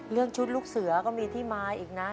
เรื่องชุดลูกเสือก็มีที่มาอีกนะ